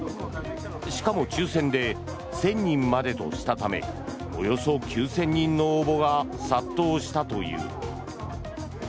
しかも、抽選で１０００人までとしたためおよそ９０００人の応募が殺到したという。